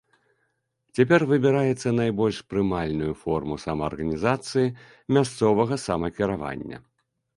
Цяпер выбіраецца найбольш прымальную форму самаарганізацыі, мясцовага самакіравання.